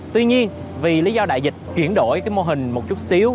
tuy nhiên vì lý do đại dịch chuyển đổi mô hình một chút xíu